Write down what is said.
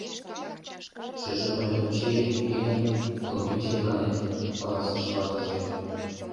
— Шыже пальтом чие, уке гын, кылмен черланет, — каласыш ватыже.